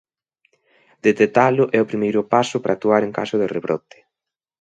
Detectalo é o primeiro paso para actuar en caso de rebrote.